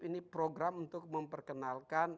ini program untuk memperkenalkan